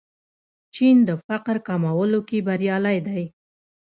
چین د فقر کمولو کې بریالی دی.